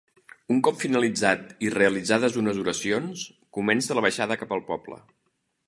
Un cop finalitzat i realitzades unes oracions, comença la baixada cap al poble.